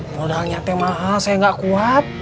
modalnya teh mahal saya nggak kuat